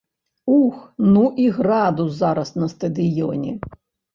Ух, ну і градус зараз на стадыёне!